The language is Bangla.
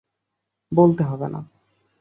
বলতে হবে না।